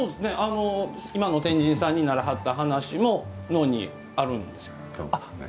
今の天神さんになりはった話も能にあるんですよ。